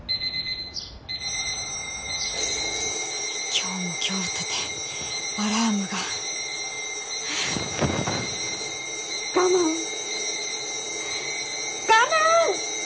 今日も今日とてアラームが我慢我慢！